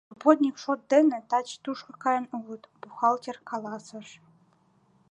Субботник шот дене таче тушко каен улыт, — бухгалтер каласыш.